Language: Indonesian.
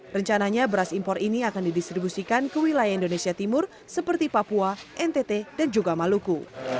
rencananya beras impor ini akan didistribusikan ke wilayah indonesia timur seperti papua ntt dan juga maluku